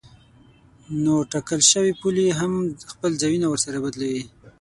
نو ټاکل شوې پولې هم خپل ځایونه ورسره بدلوي.